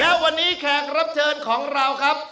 และวันนี้แขกรับเชิญของเราครับ